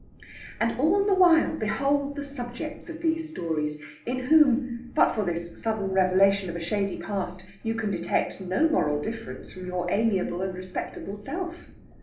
And all the while behold the subjects of these stories, in whom, but for this sudden revelation of a shady past, you can detect no moral difference from your amiable and respectable self!